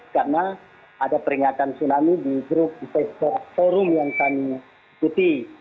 karena ada peringatan tsunami di grup di forum yang kami ikuti